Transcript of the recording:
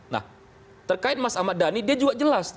nah terkait mas ahmad dhani dia juga jelas